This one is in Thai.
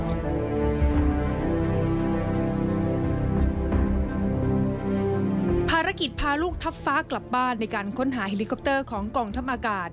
ภารกิจพาลูกทัพฟ้ากลับบ้านในการค้นหาเฮลิคอปเตอร์ของกองทัพอากาศ